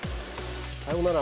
さよなら。